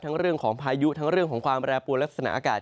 ทั้งเรื่องของพายุทั้งเรื่องของความแบรนด์ปูและศนาอากาศ